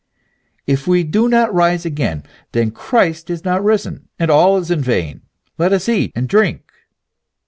If we do not rise again, then Christ is not risen, and all is vain. Let us eat and drink.